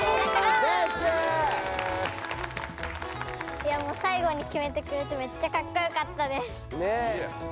いやもう最後にきめてくれてめっちゃかっこよかったです。